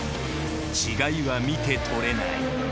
違いは見てとれない。